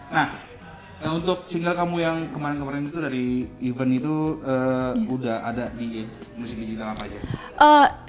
nah untuk single kamu yang kemarin kemarin itu dari event itu udah ada di musik digital apa aja